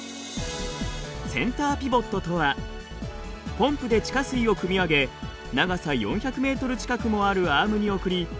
センターピボットとはポンプで地下水をくみ上げ長さ４００ｍ近くもあるアームに送り